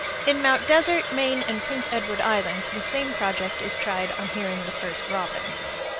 _ In Mt. Desert, Maine, and Prince Edward Island the same project is tried on hearing the first robin.